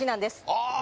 ああ！